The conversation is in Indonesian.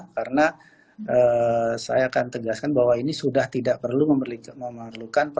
karena saya akan tegaskan bahwa ini sudah tidak perlu memerlukan persetujuan